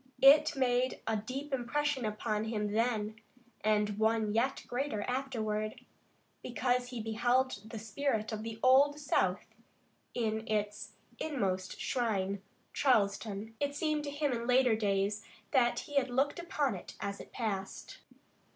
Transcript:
It made a deep impression upon him then, and one yet greater afterward, because he beheld the spirit of the Old South in its inmost shrine, Charleston. It seemed to him in later days that he had looked upon it as it passed.